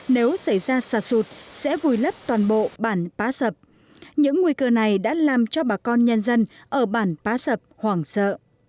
nếu xảy ra sạt sụt sẽ vùi lấp toàn bộ bản pá sập những nguy cơ này đã làm cho bà con nhân dân ở bản pá sập hoảng sợ